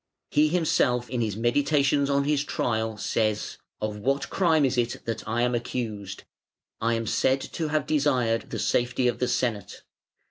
He himself in his meditations on his trial says: "Of what crime is it that I am accused? I am said to have desired the safety of the Senate.